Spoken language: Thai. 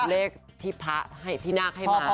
เลขที่พระพี่นาคให้มา